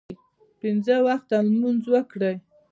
پنځه وخته لمونځ وکړئ